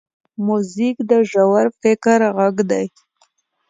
موزیک د ژور فکر غږ دی.